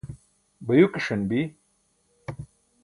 bayukiṣan bi